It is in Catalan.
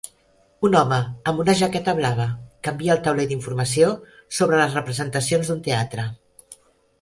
Un home amb una jaqueta blava canvia el taulell d'informació sobre les representacions d'un teatre